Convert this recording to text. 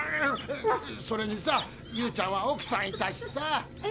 それにさユーちゃんはおくさんいたしさ。